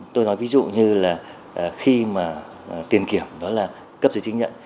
tôi nói ví dụ như là khi mà tiền kiểm đó là cấp giấy chứng nhận